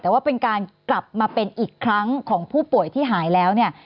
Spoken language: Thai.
แต่ว่าเป็นการกลับมาเป็นอีกครั้งของผู้ป่วยที่หายแล้วเนี่ย